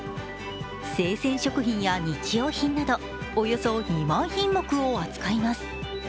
生鮮食品や日用品などおよそ２万品目を扱います。